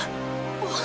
あっ！